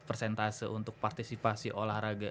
persentase untuk partisipasi olahraga